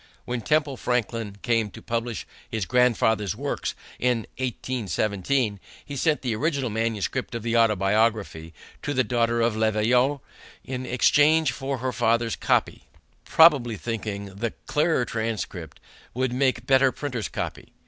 When Temple Franklin came to publish his grandfather's works in 1817, he sent the original manuscript of the Autobiography to the daughter of Le Veillard in exchange for her father's copy, probably thinking the clearer transcript would make better printer's copy.